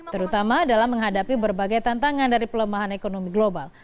terutama dalam menghadapi berbagai tantangan dari pelemahan ekonomi global